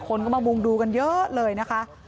คนก็มามุงดูกันเยอะเลยนะคะ